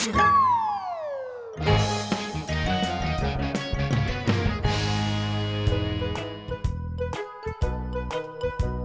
ya udah tuh